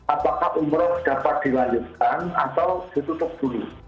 apakah umroh dapat dilanjutkan atau ditutup dulu